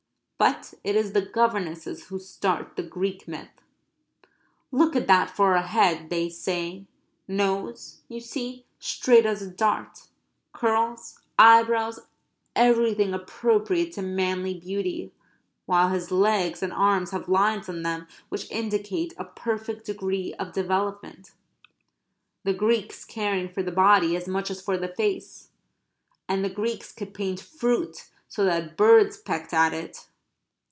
But it is the governesses who start the Greek myth. Look at that for a head (they say) nose, you see, straight as a dart, curls, eyebrows everything appropriate to manly beauty; while his legs and arms have lines on them which indicate a perfect degree of development the Greeks caring for the body as much as for the face. And the Greeks could paint fruit so that birds pecked at it.